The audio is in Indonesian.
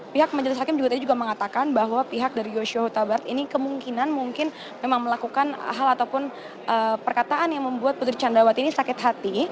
pihak majelis hakim juga tadi juga mengatakan bahwa pihak dari yoshua huta barat ini kemungkinan mungkin memang melakukan hal ataupun perkataan yang membuat putri candrawati ini sakit hati